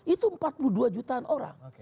itu empat puluh dua jutaan orang